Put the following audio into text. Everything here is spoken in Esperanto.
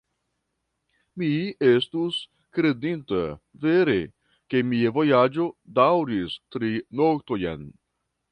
Mi estus kredinta, vere, ke mia vojaĝo daŭris tri noktojn.